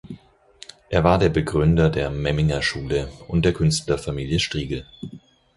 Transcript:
Er war der Begründer der Memminger Schule und der Künstlerfamilie Strigel.